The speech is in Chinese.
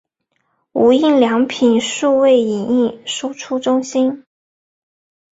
无印良品数位影印输出中心